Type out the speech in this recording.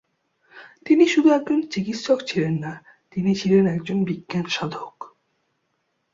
তিনি শুধু একজন চিকিৎসক ছিলেন না, তিনি ছিলেন একজন বিজ্ঞানসাধক।